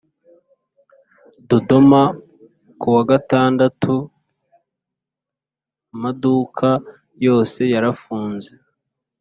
Dodoma kuwa Gatandatu amaduka yose yarafunze